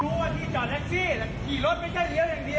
รู้ว่านี่จอดแด็กซี่แต่กี่รถไม่ใช่แค่เลี้ยวอย่างเดียว